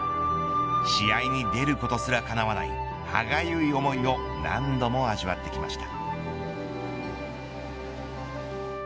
試合に出ることすらかなわない歯がゆい思いを何度も味わってきました。